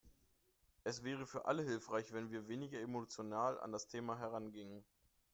Es wäre für alle hilfreich, wenn wir weniger emotional an das Thema herangingen.